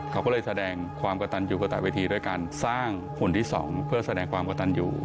เขาก็เลยแสดงความกระตันอยู่กระตะเวทีด้วยการสร้างหุ่นที่๒เพื่อแสดงความกระตันอยู่